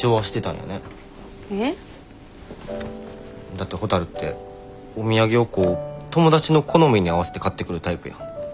だってほたるってお土産をこう友達の好みに合わせて買ってくるタイプやん。